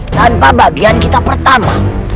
tanpa bagian kita pertama